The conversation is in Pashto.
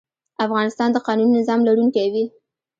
افغانستان د قانوني نظام لرونکی وي.